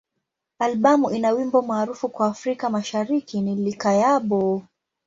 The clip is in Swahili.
Albamu ina wimbo maarufu kwa Afrika Mashariki ni "Likayabo.